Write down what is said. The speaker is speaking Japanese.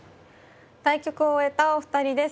対局を終えたお二人です。